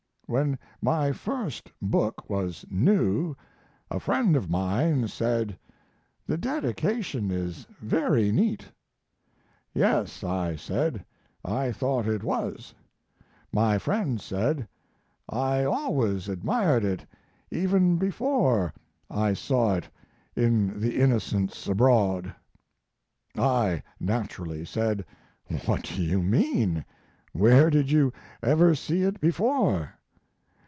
When my first book was new a friend of mine said, "The dedication is very neat." Yes, I said, I thought it was. My friend said, "I always admired it, even before I saw it in The Innocents Abroad." I naturally said, "What do you mean? Where did you ever see it before?"